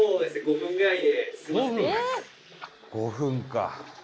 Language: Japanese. え⁉５分か。